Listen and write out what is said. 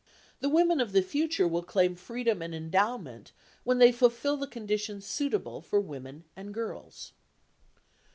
The women of the future will claim freedom and endowment when they fulfil the conditions suitable for women and girls.